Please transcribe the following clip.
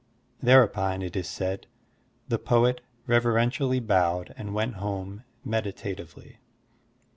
There upon, it is said, the poet reverentially bowed and went home meditatively.